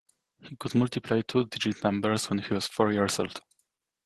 He could multiply two digit numbers when he was four years old.